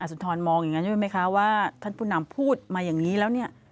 สุนทรมองอย่างนั้นใช่ไหมคะว่าท่านผู้นำพูดมาอย่างนี้แล้วเนี่ย